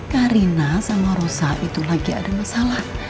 karina sama rosa itu lagi ada masalah